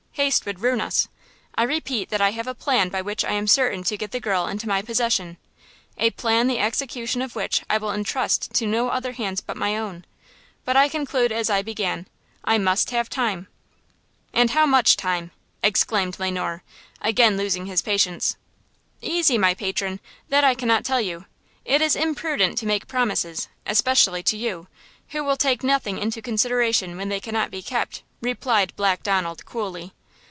Haste would ruin us. I repeat that I have a plan by which I am certain to get the girl into my possession–a plan the execution of which I will entrust to no other hands but my own. But I conclude as I began–I must have time." "And how much time?" exclaimed Let Noir, again losing his patience. "Easy, my patron, That I cannot tell you. It is imprudent to make promises, especially to you, who will take nothing into consideration when they cannot be kept," replied Black Donald, coolly.